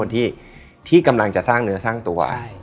ที่กำลังจะสร้างเนื้อสร้างตัว